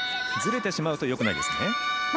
ずれてしまうとよくないですね。